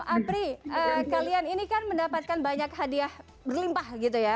apri kalian ini kan mendapatkan banyak hadiah berlimpah